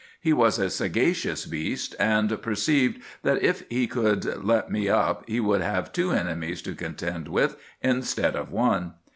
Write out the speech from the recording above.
He was a sagacious beast, and perceived that if he should let me up he would have two enemies to contend with instead of one.